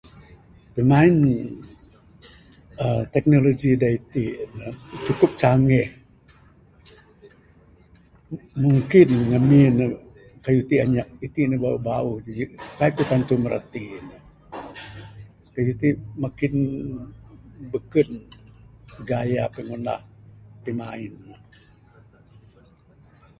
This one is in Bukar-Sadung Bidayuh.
Pimain, uhh.. teknoloji da iti ne, cukup canggih. Mungkin ngamin ne, kayuh iti anyap. Iti ne, da bauh bauh, jaji kai ku'k tantu mirati ne. Kayuh ti makin beken gaya pengundah, pimain ne.